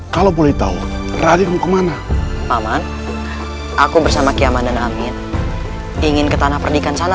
kalau boleh tahu radirmu kemana paman aku bersama kiaman dan amin ingin ke tanah pernikahan sana